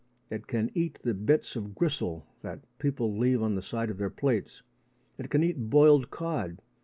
It can eat the bits of gristle that people leave on the side of their plates. It can eat boiled cod.